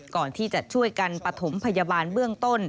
ก่อนที่จะช่วยกันปฐมพยาบาลเบื้องต้น